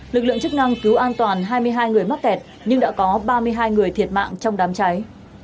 lực lượng chức năng cứu an toàn hai mươi hai người mắc kẹt nhưng đã có ba mươi hai người thiệt mạng trong đám cháy